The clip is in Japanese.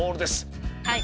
はい。